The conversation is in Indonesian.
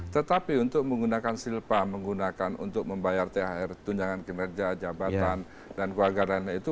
tetapi untuk menggunakan silpa menggunakan untuk membayar thr tunjangan kinerja jabatan dan keluarga dan itu